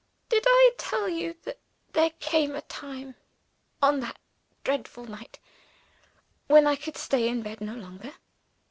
Did I tell you that there came a time, on that dreadful night, when I could stay in bed no longer?